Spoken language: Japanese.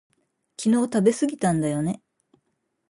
昨日食べすぎたんだよね